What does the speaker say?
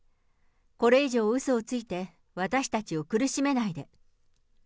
これ以上、うそをついて私たちを苦しめないで。